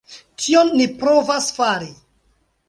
Tion ni provas fari.